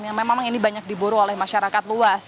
yang memang ini banyak diburu oleh masyarakat luas